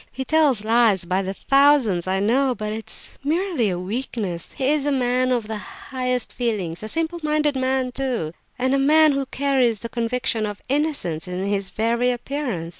He tells lies by the thousands, I know, but it is merely a weakness; he is a man of the highest feelings; a simple minded man too, and a man who carries the conviction of innocence in his very appearance.